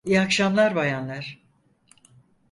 İyi akşamlar bayanlar.